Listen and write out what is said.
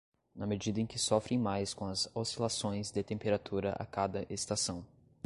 Na medida em que sofrem mais com as oscilações de temperatura a cada estação